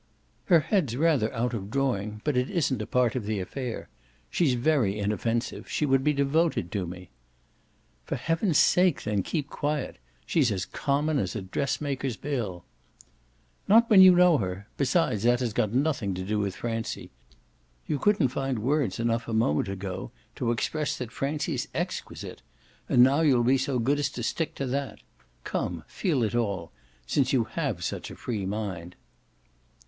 "Her head's rather out of drawing, but it isn't a part of the affair. She's very inoffensive; she would be devoted to me." "For heaven's sake then keep quiet. She's as common as a dressmaker's bill." "Not when you know her. Besides, that has nothing to do with Francie. You couldn't find words enough a moment ago to express that Francie's exquisite, and now you'll be so good as to stick to that. Come feel it all; since you HAVE such a free mind."